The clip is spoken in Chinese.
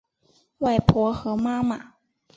外婆和妈妈